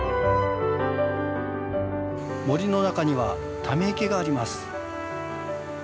森の中にはため池があります。